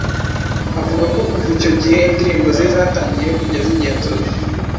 Avuga ko kuva icyo gihe, indirimbo ze zatangiye kujya zigenzurwa